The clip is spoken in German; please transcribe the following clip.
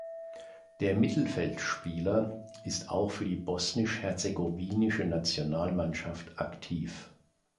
Der Mittelfeldspieler ist auch für die bosnisch-herzegowinische Nationalmannschaft aktiv.